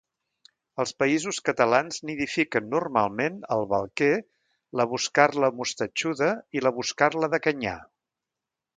Als Països Catalans nidifiquen normalment el balquer, la boscarla mostatxuda i la boscarla de canyar.